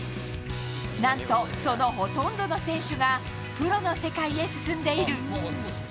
なんとそのほとんどの選手が、プロの世界へ進んでいる。